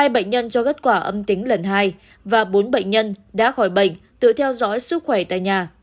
hai bệnh nhân cho kết quả âm tính lần hai và bốn bệnh nhân đã khỏi bệnh tự theo dõi sức khỏe tại nhà